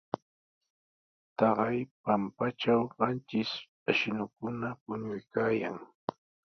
Taqay pampatraw qanchis ashnukuna puñuraykaayan.